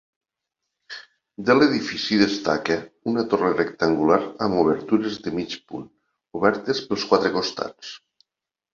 De l'edifici destaca una torre rectangular amb obertures de mig punt obertes pels quatre costats.